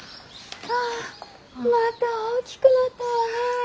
あまた大きくなったわねぇ！